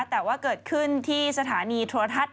แต่ว่าเกิดขึ้นที่สถานีโทรทัศน์